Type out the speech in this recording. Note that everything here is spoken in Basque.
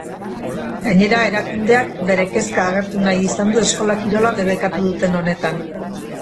Gainera, erakundeak bere kezka agertu nahi izan du eskola-kirola debekatu duten honetan.